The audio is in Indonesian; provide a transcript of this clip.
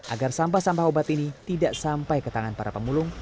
agar sampah sampah obat ini tidak sampai ke tangan para pemulung